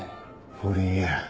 不倫や。